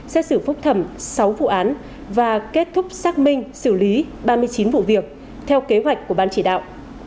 xét xử phúc thẩm sáu vụ án và kết thúc xác minh xử lý ba mươi chín vụ việc theo kế hoạch của ban chỉ đạo